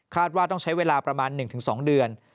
ว่าต้องใช้เวลาประมาณ๑๒เดือน